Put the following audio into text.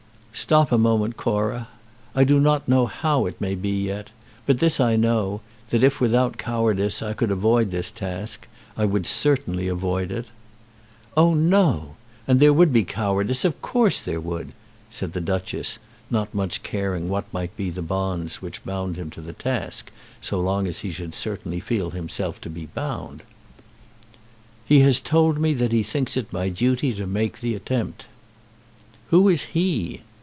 "Stop a moment, Cora. I do not know how it may be yet. But this I know, that if without cowardice I could avoid this task, I would certainly avoid it." "Oh no! And there would be cowardice; of course there would," said the Duchess, not much caring what might be the bonds which bound him to the task so long as he should certainly feel himself to be bound. "He has told me that he thinks it my duty to make the attempt." "Who is he?"